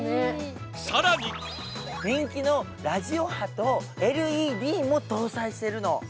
人気のラジオ波とＬＥＤも搭載してるの。